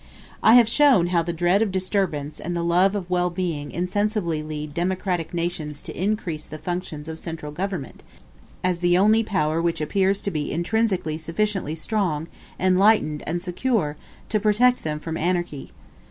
I have shown how the dread of disturbance and the love of well being insensibly lead democratic nations to increase the functions of central government, as the only power which appears to be intrinsically sufficiently strong, enlightened, and secure, to protect them from anarchy.